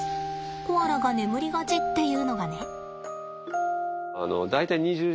コアラが眠りがちっていうのがね。